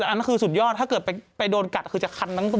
แต่อันนั้นคือสุดยอดถ้าเกิดไปโดนกัดคือจะคันทั้งตัว